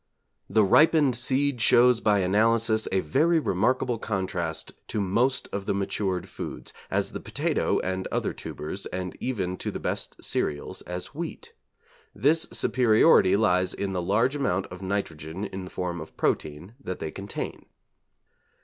'The ripened seed shows by analysis a very remarkable contrast to most of the matured foods, as the potato and other tubers, and even to the best cereals, as wheat. This superiority lies in the large amount of nitrogen in the form of protein that they contain.'